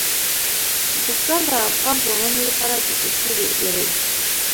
بزګان د افغان ځوانانو لپاره دلچسپي لري.